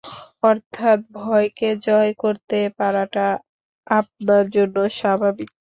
অর্থাৎ ভয়কে জয় করতে পারাটা আপনার জন্য স্বাভাবিক।